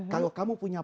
kalau kamu punya